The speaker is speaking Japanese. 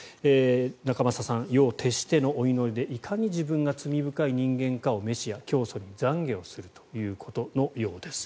仲正さん、夜を徹してのお祈りでいかに自分は罪深い人間かをメシア、教祖に懺悔をするということのようです。